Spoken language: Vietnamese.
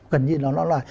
gần như nó là